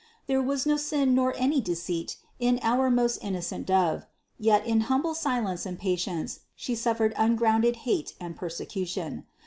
There was no sin nor any deceit in our most innocent Dove, yet, in humble silence and patience, She suffered ungrounded hate and persecution.